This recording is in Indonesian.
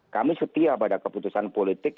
kami setia pada keputusan politik